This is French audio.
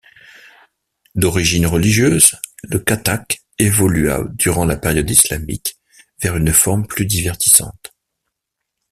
D'origine religieuse, le kathak évolua durant la période islamique vers une forme plus divertissante.